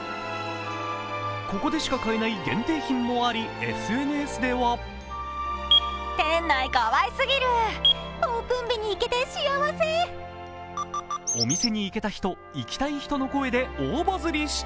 ここでしか買えない限定品もありＳＮＳではお店に行けた人、行きたい人の声で大バズりした。